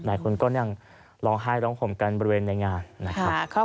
หลายคนก็ยังร้องไห้ร้องห่มกันบริเวณในงานนะครับ